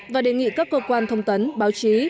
và đề nghị các cơ quan thông tấn báo chí